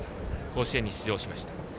甲子園に出場しました。